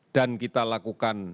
dan kita melakukan penyelidikan